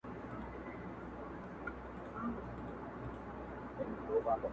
• خلک زده کوي چي خبري لږې او فکر ډېر کړي,